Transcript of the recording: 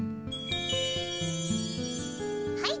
はい。